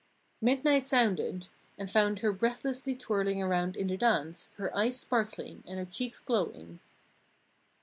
Midnight sounded, and found her breathlessly twirling around in the dance, her eyes sparkling and her cheeks glowing.